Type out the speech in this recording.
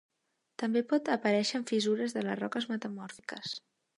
També pot aparèixer en fissures de les roques metamòrfiques.